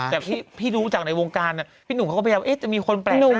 แต่พี่รู้จากในวงการพี่หนุ่มเขาก็พยายามจะมีคนแปลกหน้า